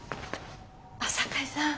あっ坂井さん